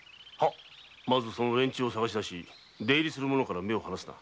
まずその連中を捜し出し出入りする者から目を離すな。